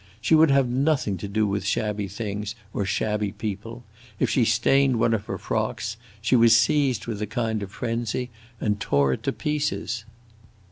She would have nothing to do with shabby things or shabby people; if she stained one of her frocks, she was seized with a kind of frenzy and tore it to pieces.